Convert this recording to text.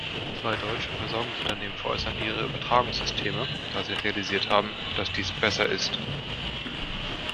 Zwei deutsche Versorgungsunternehmen veräußern ihre Übertragungssysteme, da sie realisiert haben, dass dies besser ist.